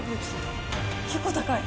結構、高い。